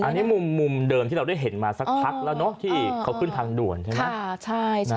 อันนี้มุมเดิมที่เราได้เห็นมาสักพักแล้วเนาะที่เขาขึ้นทางด่วนใช่ไหม